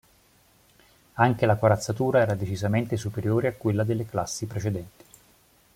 Anche la corazzatura era decisamente superiore a quella delle classi precedenti.